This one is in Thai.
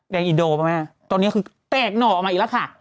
อินโดป่ะแม่ตอนนี้คือแตกหน่อออกมาอีกแล้วค่ะ